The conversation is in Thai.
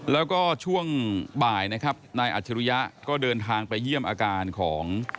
แล้วก็ช่วงบ่ายนะครับนายอัจฉริยะก็เดินทางไปเยี่ยมอาการของ